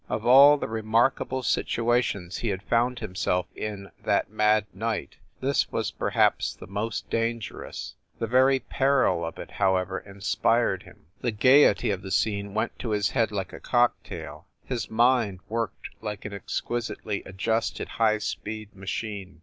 Of all the remarkable situations he had found himself in that mad night, this was perhaps the most dangerous. The very peril of it, however, in spired him. The gayety of the scene went to his head like a cocktail; his mind worked like an ex quisitely adjusted high speed machine.